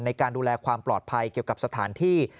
ในการดูแลความปลอดภัยเกี่ยวกับสถานที่